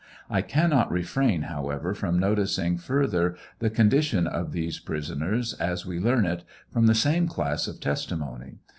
I cannot refrain, however, from noticing further the eon dition of these prisoners, as we learn it from the same class of testimony.